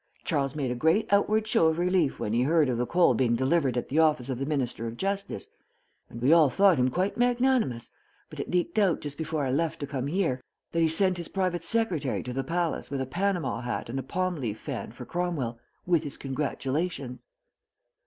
Charles made a great outward show of grief when he heard of the coal being delivered at the office of the Minister of Justice, and we all thought him quite magnanimous, but it leaked out, just before I left to come here, that he sent his private secretary to the palace with a Panama hat and a palm leaf fan for Cromwell, with his congratulations.